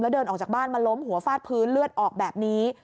เดินออกจากบ้านมาล้มหัวฟาดพื้นเลือดออกแบบนี้